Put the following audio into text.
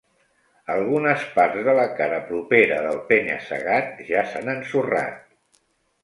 Algunes parts de la cara propera del penya-segat ja s'han ensorrat.